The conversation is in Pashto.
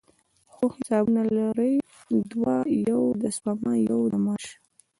څو حسابونه لرئ؟ دوه، یو د سپما، یو د معاش